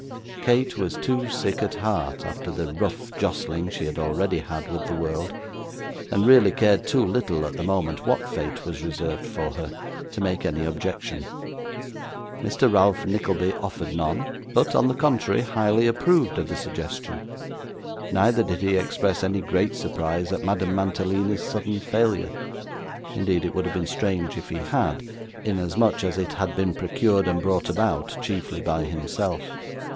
Kate was too sick at heart, after the rough jostling she had already had with the world, and really cared too little at the moment what fate was reserved for her, to make any objection. Mr. Ralph Nickleby offered none, but, on the contrary, highly approved of the suggestion; neither did he express any great surprise at Madame Mantalini's sudden failure, indeed it would have been strange if he had, inasmuch as it had been procured and brought about chiefly by himself.